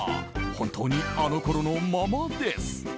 本当に、あのころのままです。